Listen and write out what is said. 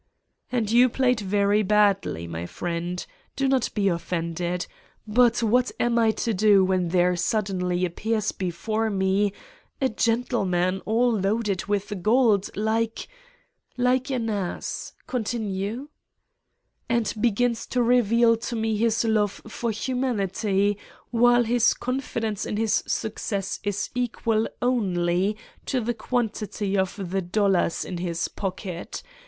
"And you played very badly, my friend, do not be offended. But what am I to do when there suddenly appears before me a gentleman all loaded with gold like ..." "Like an ass. Continue. " "And begins to reveal to me his love for hu manity, while his confidence in his success is equal only to the quantity of the dollars in his pocket?